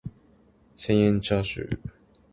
千円チャーシュー